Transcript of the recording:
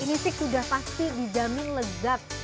ini sih sudah pasti dijamin lezat